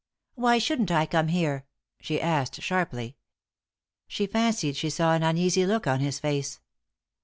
"Why shouldn't I come here?" she asked, sharply. She fancied she saw an uneasy look on his face.